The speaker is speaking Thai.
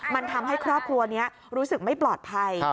มันทำให้ครอบครัวนี้รู้สึกไม่ปลอดภัย